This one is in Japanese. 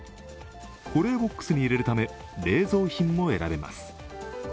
保冷ボックスに入れるため冷蔵品も選べます。